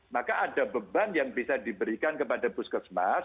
maka ada beban yang bisa diberikan kepada puskesmas